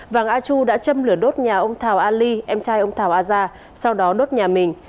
vàng a chu đã châm lửa đốt nhà ông thảo a li em trai ông thảo a gia sau đó đốt nhà mình